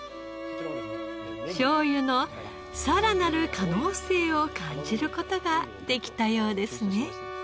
しょうゆのさらなる可能性を感じる事ができたようですね。